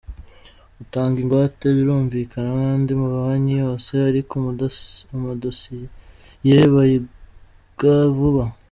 Utanga ingwate birumvikana nk’andi mabanki yose, ariko amadosiye bayiga vuba.